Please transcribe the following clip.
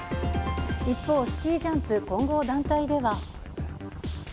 一方、スキージャンプ混合団体では。